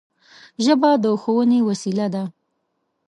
ژبه د ښوونې وسیله ده